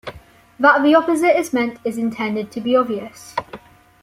That the opposite is meant is intended to be obvious.